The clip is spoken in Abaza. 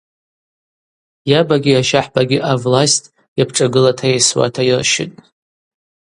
Йабагьи йащахӏбагьи авлста йапшӏагылата йайсуата йырщытӏ.